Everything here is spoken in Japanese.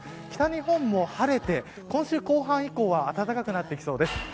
北日本も晴れて今週後半以降は暖かくなってきそうです。